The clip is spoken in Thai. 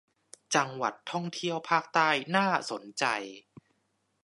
จังหวัดท่องเที่ยวภาคใต้น่าสนใจ